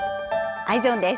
Ｅｙｅｓｏｎです。